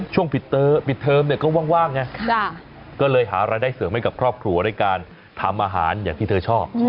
ปิดเทอมเนี่ยก็ว่างไงก็เลยหารายได้เสริมให้กับครอบครัวด้วยการทำอาหารอย่างที่เธอชอบ